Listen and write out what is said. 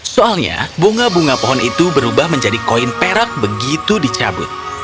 soalnya bunga bunga pohon itu berubah menjadi koin perak begitu dicabut